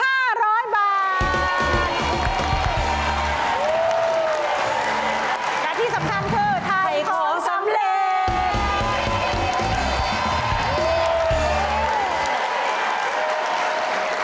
และที่สำคัญคือถ่ายของสำเร็จ